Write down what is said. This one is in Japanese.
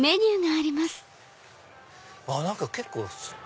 何か結構。